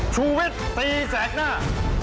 ชูเวชตีแสกหน้า